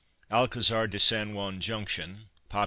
ALCAZAR DE SAN JUAN Junction (pop.